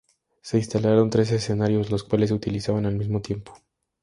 Se instalaron tres escenarios, los cuales se utilizaban al mismo tiempo.